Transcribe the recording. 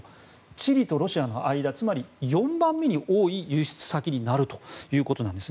チリとロシアの間つまり、４番目に多い輸出先になるんです。